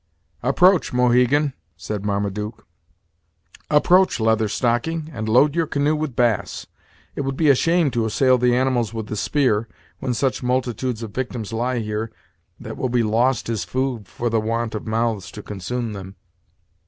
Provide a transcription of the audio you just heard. "Approach, Mohegan," said Marmaduke; "approach, Leather Stocking, and load your canoe with bass. It would be a shame to assail the animals with the spear, when such multitudes of victims lie here, that will be lost as food for the want of mouths to consume them."